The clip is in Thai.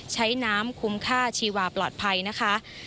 ใช้น้ำคุ้มค่าชีวาปลอดภัยนะคะ